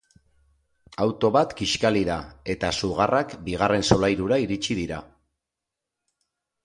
Auto bat kiskali da eta sugarrak bigarren solairura iritsi dira.